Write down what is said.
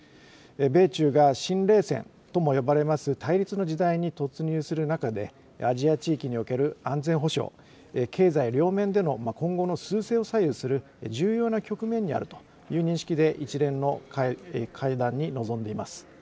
米中が新冷戦とも呼ばれます対立の時代に突入する中で、アジア地域における安全保障、経済両面での今後のすう勢を左右する重要な局面にあるという認識で、一連の会談に臨んでいます。